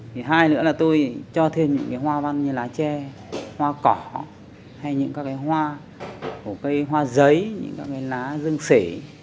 thứ hai nữa là tôi cho thêm những hoa văn như lá tre hoa cỏ hoa giấy lá dương sể